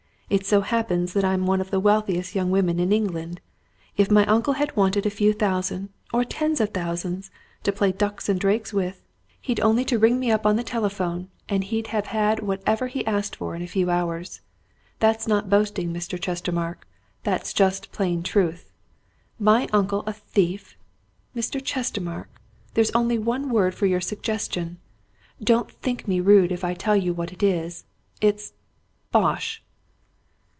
It so happens that I'm one of the wealthiest young women in England. If my uncle had wanted a few thousands or tens of thousands to play ducks and drakes with, he'd only to ring me up on the telephone, and he'd have had whatever he asked for in a few hours. That's not boasting, Mr. Chestermarke that's just plain truth. My uncle a thief! Mr. Chestermarke! there's only one word for your suggestion. Don't think me rude if I tell you what it is. It's bosh!"